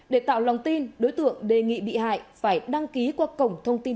để tạo lòng tin đối tượng đề nghị bị hại phải đăng ký qua cổng thông tin